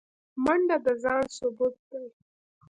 منډه د ځان ثبوت دی